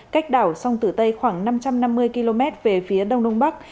cách đảo sông tử tây khoảng năm trăm năm mươi km về phía đông đông bắc